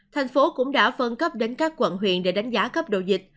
thành phố cũng đã phân cấp đến các quận huyện để đánh giá cấp độ dịch